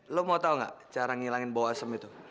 lo mau tau gak cara ngilangin bawa asem itu